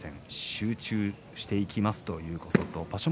集中していきますということと場所